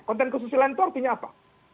konten kesusilaan itu artinya apa